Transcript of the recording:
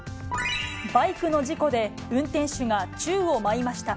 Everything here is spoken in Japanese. バイクの事故で運転手が宙を舞いました。